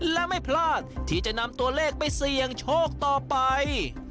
และไม่พลาดที่จะนำตัวเลขไปเสี่ยงโชคต่อไป